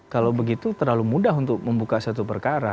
kalau begitu terlalu mudah untuk membuka satu perkara